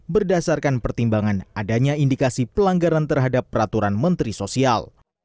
berdasarkan pertimbangan adanya indikasi pelanggaran terhadap peraturan menteri sosial